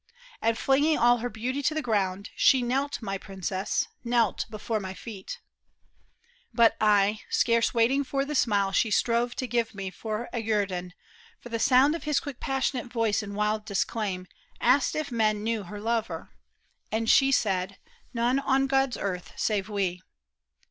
And flinging all her beauty to the ground, She knelt, my princess, knelt before my feet. But I, scarce waiting for the smile she strove To give me for a guerdon, for the sound Of his quick passionate voice in wild disclaim. Asked if men knew her lover. And she said, " None on God's earth save we."